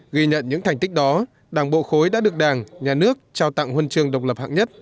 ghi nhận những thành tích đó đảng bộ khối đã được đảng nhà nước trao tặng huân trường độc lập hạng nhất